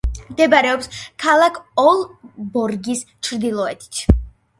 მდებარეობს ქალაქ ოლბორგის ჩრდილოეთით.